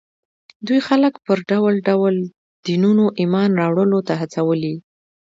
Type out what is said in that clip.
دوی خلک پر ډول ډول دینونو ایمان راوړلو ته هڅولي